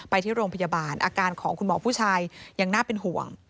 ที่โรงพยาบาลอาการของคุณหมอผู้ชายยังน่าเป็นห่วง